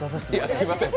いや、すみません。